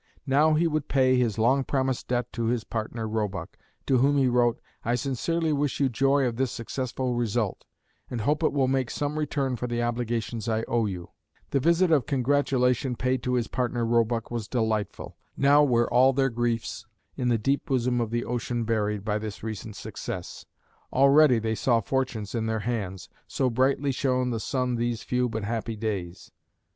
Now he would pay his long promised debt to his partner Roebuck, to whom he wrote, "I sincerely wish you joy of this successful result, and hope it will make some return for the obligations I owe you." The visit of congratulation paid to his partner Roebuck, was delightful. Now were all their griefs "in the deep bosom of the ocean buried" by this recent success. Already they saw fortunes in their hands, so brightly shone the sun these few but happy days.